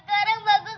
kasih lidah bagus